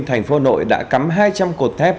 thành phố hà nội đã cắm hai trăm linh cột thép